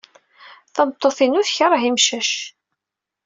Tameṭṭut-inu tekṛeh imcac.